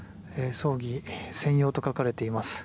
「葬儀専用」と書かれています。